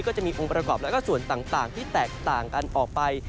ก็จะมีองค์ประกอบแล้วก็ส่วนต่างที่แตกต่างกันออกไป